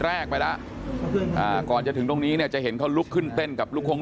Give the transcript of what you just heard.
แรกไปละก่อนจะถึงตรงนี้จะเห็นเขาลุกขึ้นเต้นกับลูกค้อง